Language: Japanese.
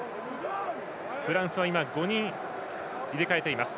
フランスは今５人入れ替えています。